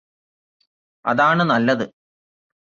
അതാണ് നല്ലത്